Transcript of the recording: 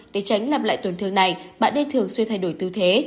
để tránh làm lại tuần thương này bạn nên thường xuyên thay đổi tư thế